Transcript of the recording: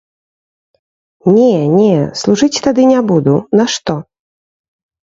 Не, не, служыць тады не буду, нашто?